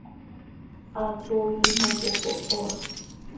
Haaco hiima cöhocoho ha.